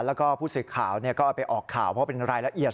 แล้วก็ผู้สื่อข่าวก็เอาไปออกข่าวเพราะเป็นรายละเอียด